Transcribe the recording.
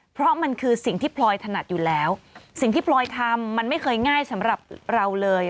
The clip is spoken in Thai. เพราะมันคือสิ่งที่พลอยถนัดอยู่แล้วสิ่งที่พลอยทำมันไม่เคยง่ายสำหรับเราเลย